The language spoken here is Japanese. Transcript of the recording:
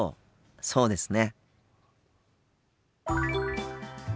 そうですね。